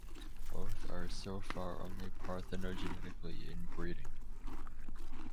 Both are so far only parthenogenetically in breeding.